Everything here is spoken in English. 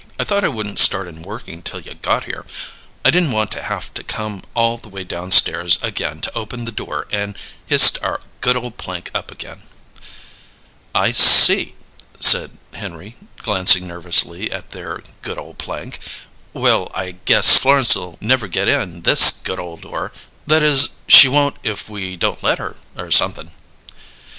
I thought I wouldn't start in working till you got here. I didn't want to haf to come all the way downstairs again to open the door and hi'st our good ole plank up again." "I see," said Henry, glancing nervously at their good ole plank. "Well, I guess Florence'll never get in this good ole door that is, she won't if we don't let her, or something."